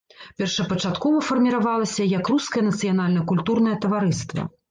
Першапачаткова фарміравалася як рускае нацыянальна-культурнае таварыства.